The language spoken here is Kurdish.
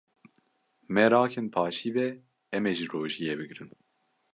Me rakin paşîvê em ê jî rojiyê bigrin.